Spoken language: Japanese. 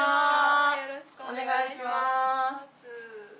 よろしくお願いします。